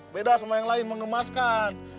beda sama yang lain mengemaskan